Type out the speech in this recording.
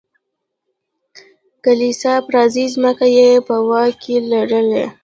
کلیسا پراخې ځمکې یې په واک کې لرلې.